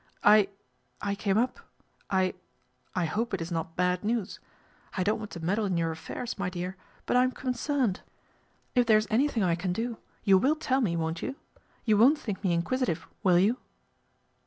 " I I came up I I hope it is not bad news. I don't want to meddle in your affairs, my dear ; but I am concerned. If there is anything 54 PATRICIA BRENT, SPINSTER I can do, you will tell me, won't you ? You won't think me inquisitive, will you